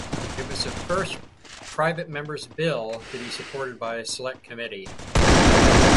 It was the first Private Member's Bill to be supported by a Select Committee.